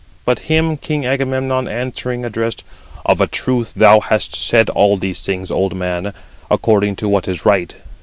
But him king Agamemnon answering addressed: "Of a truth thou hast said all these things, old man, according to what is right.